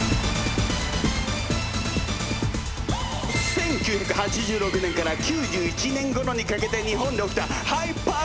１９８６年から９１年ごろにかけて日本で起きたハイパー好景気！